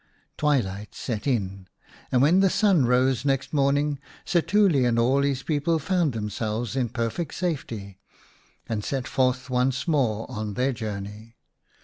Twilight set in, and when the sun rose next morning Setuli and all his people found them selves in perfect safety, and set forth once more on their journey.